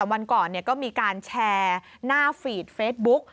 วันก่อนก็มีการแชร์หน้าฟีดเฟซบุ๊ก